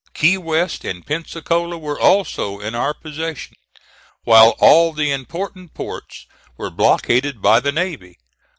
Key West and Pensacola were also in our possession, while all the important ports were blockaded by the navy.